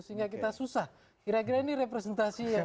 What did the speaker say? sehingga kita susah kira kira ini representasinya